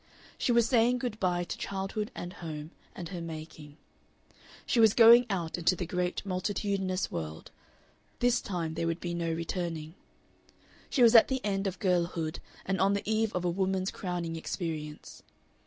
She was saying good bye to childhood and home, and her making; she was going out into the great, multitudinous world; this time there would be no returning. She was at the end of girlhood and on the eve of a woman's crowning experience.